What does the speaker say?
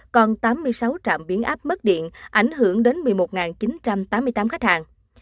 còn tám mươi sáu trạm biến áp mất điện ảnh hưởng đến một mươi một chín trăm tám mươi tám khách hàng